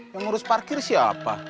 yang urus parkir siapa